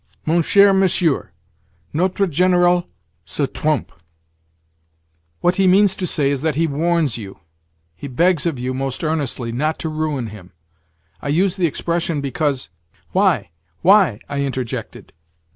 "Mon cher monsieur, notre général se trompe. What he means to say is that he warns you—he begs of you most earnestly—not to ruin him. I use the expression because—" "Why? Why?" I interjected.